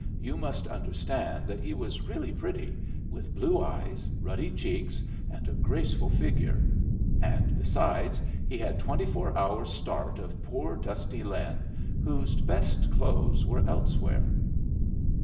You must understand that he was really pretty, with blue eyes, ruddy cheeks, and a graceful figure; and, besides, he had twenty four hours' start of poor dusty Lin, whose best clothes were elsewhere.